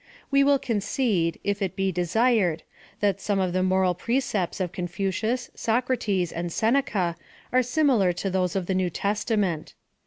We will concede, if it be desired, that some of the moral precepts of Confucius, Soc rates, and Seneca are similar to those of the New Testament.